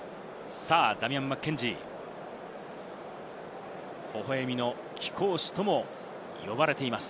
ダミアン・マッケンジー、ほほえみの貴公子とも呼ばれています。